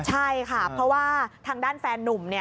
ใช่ค่ะเพราะว่าทางด้านแฟนนุ่ม